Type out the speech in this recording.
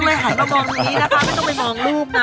ไม่ต้องไปมองรูปนะ